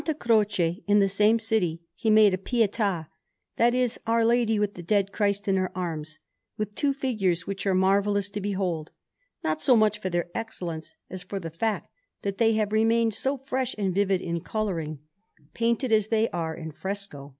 Croce, in the same city, he made a Pietà that is, Our Lady with the Dead Christ in her arms and two figures, which are marvellous to behold, not so much for their excellence, as for the fact that they have remained so fresh and vivid in colouring, painted as they are in fresco.